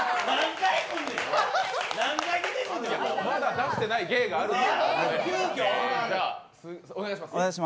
まだ出してない芸があると。